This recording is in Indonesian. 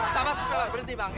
sama sama berhenti bang